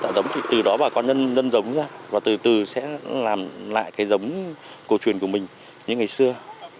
một hai tạ giống thì từ đó bà con nông dân giống ra và từ từ sẽ làm lại cái giống cổ truyền của mình như ngày xưa